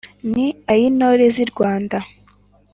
Ni ay' intore z' i Rwanda